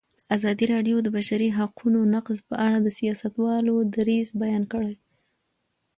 ازادي راډیو د د بشري حقونو نقض په اړه د سیاستوالو دریځ بیان کړی.